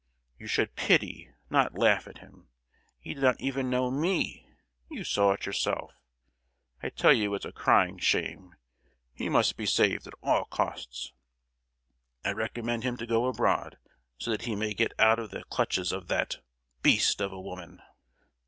You should pity, not laugh at him! He did not even know me; you saw it yourself. I tell you it's a crying shame; he must be saved, at all costs! I recommend him to go abroad so that he may get out of the clutches of that—beast of a woman!"